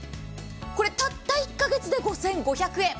これ、たった１か月で５５００円。